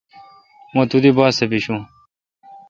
م تو دی باس تہ بیشون۔